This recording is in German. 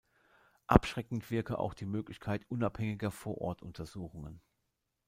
Abschreckend wirke auch die Möglichkeit unabhängiger Vor-Ort-Untersuchungen.